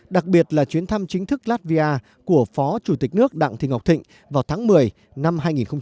đặc biệt là chuyến thăm chính thức latvia của phó chủ tịch nước đặng thị ngọc thịnh vào tháng một mươi năm hai nghìn một mươi chín